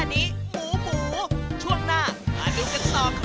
นี่๒๐ให้มันดู